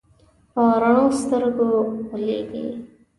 په رڼو سترګو غولېږي.